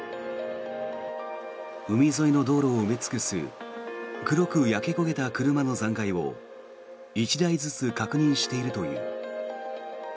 海沿いの道路を埋め尽くす黒く焼け焦げた車の残骸を１台ずつ確認しているという。